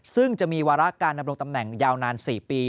ซึ่งจะมีวาระการดำรงตำแหน่งยาวนาน๔ปี